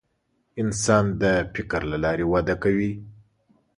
انسان د فکر له لارې وده کوي.